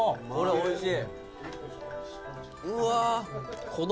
おいしい！